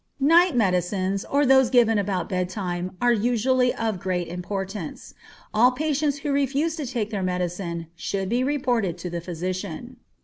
Night medicines, or those given about bedtime, are usually of great importance. All patients who refuse to take their medicine should be reported to the physician.